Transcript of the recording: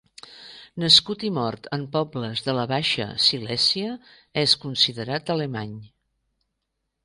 Nascut i mort en pobles de la Baixa Silèsia és considerat alemany.